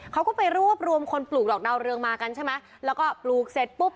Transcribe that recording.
เขาก็ไปรวบรวมคนปลูกดอกดาวเรืองมากันใช่ไหมแล้วก็ปลูกเสร็จปุ๊บ